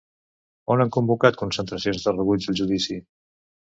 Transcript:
On han convocat concentracions de rebuig al judici?